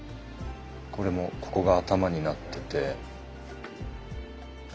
これもここが頭になってて。